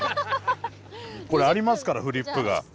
これありますからフリップが。